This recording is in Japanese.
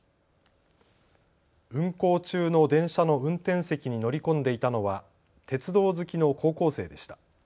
運行中の電車の運転席に乗り込んでいたのは鉄道好きの高校生でした。